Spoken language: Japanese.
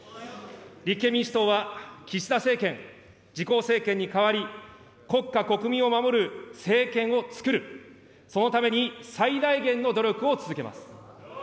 立憲民主党は岸田政権、自公政権に代わり、国家国民を守る政権をつくる、そのために最大限の努力を続けます。